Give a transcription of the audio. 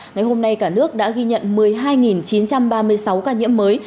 ngày hôm nay cả nước đã ghi nhận một mươi hai chín trăm ba mươi sáu ca nhiễm mới